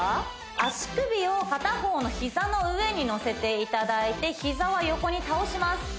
足首を片方の膝の上に乗せていただいて膝は横に倒します